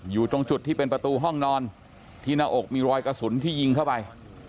อยู่ตรงจุดที่เป็นประตูห้องนอนที่หน้าอกมีรอยกระสุนที่ยิงเข้าไป